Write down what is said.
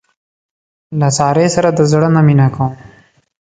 له سارې سره د زړه نه مینه کوم.